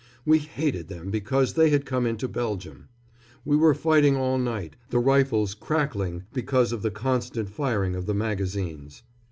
We hated them because they had come into Belgium. We were fighting all night, the rifles crackling because of the constant firing of the magazines.